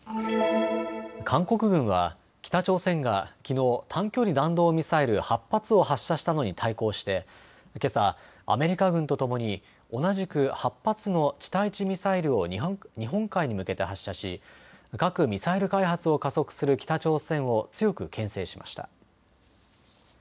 韓国軍は北朝鮮がきのう、短距離弾道ミサイル８発を発射したのに対抗してけさアメリカ軍とともに同じく８発の地対地ミサイルを日本海に向けて発射し核・ミサイル開発を加速する北朝鮮を強くけん制しました。